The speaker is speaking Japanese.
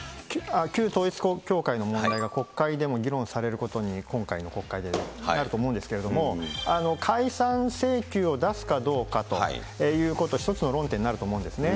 旧統一教会の問題が国会でも議論されることに、今回の国会でなると思うんですけれども、解散請求を出すかどうかということ、一つの論点になると思うんですね。